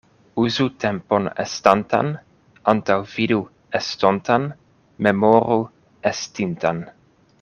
Uzu tempon estantan, antaŭvidu estontan, memoru estintan.